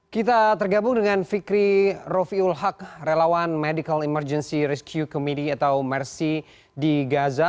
kita tergabung dengan fikri rofiul haq relawan medical emergency rescue committee atau mercy di gaza